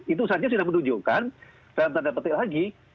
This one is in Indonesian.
itu saja sudah menunjukkan dalam tanda petik lagi